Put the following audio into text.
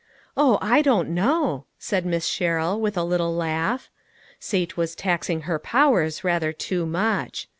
" Oh, I don't know," said Miss Sherrill, with a little laugh. Sate was taxing her powers rather too much.